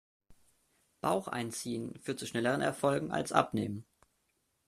Bauch einziehen führt zu schnelleren Erfolgen als Abnehmen.